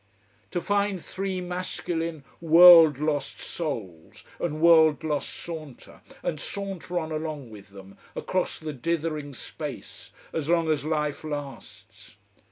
To find three masculine, world lost souls, and world lost saunter, and saunter on along with them, across the dithering space, as long as life lasts!